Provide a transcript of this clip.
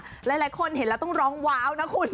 หลายคนเห็นแล้วต้องร้องว้าวนะคุณ